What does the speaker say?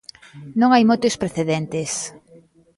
Non hai moitos precedentes.